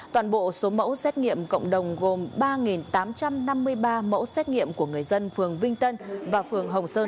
toàn bộ số mẫu xét nghiệm cộng đồng gồm ba tám trăm năm mươi ba mẫu xét nghiệm của người dân phường vinh tân và phường hồng sơn